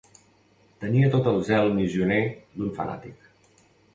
Tenia tot el zel missioner d'un fanàtic.